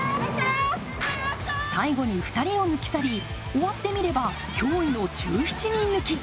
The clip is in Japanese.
最後に２人を抜き去り、終わってみれば驚異の１７人抜き。